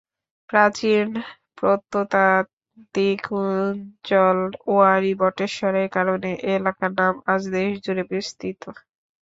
প্রাচীন প্রত্নতাত্ত্বিক অঞ্চল উয়ারী বটেশ্বরের কারণে এ এলাকার নাম আজ দেশজুড়ে বিস্তৃত।